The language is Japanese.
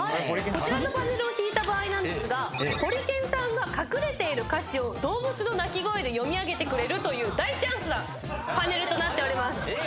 こちらのパネルを引いた場合なんですがホリケンさんが隠れている歌詞を動物の鳴き声で読み上げてくれるという大チャンスなパネルとなっております。